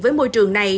với môi trường này